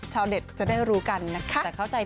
เด็ดจะได้รู้กันนะคะ